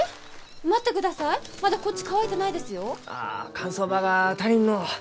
乾燥場が足りんのう。